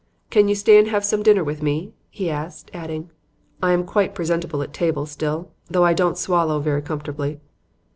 "Can you stay and have some dinner with me?" he asked, adding, "I am quite presentable at table, still, though I don't swallow very comfortably."